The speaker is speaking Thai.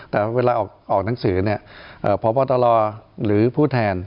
แต่เวลาออกหนังสือเนี่ยพบตรหรือผู้แทน